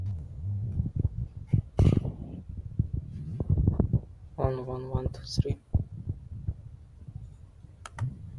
Thus, the terminology has poor standardization and specificity, particularly as a database search term.